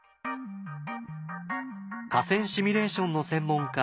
河川シミュレーションの専門家